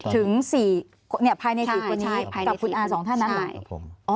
ถึง๔ภายในสิ่งตัวนี้กับคุณอาจารย์สองท่านนั้นหรือ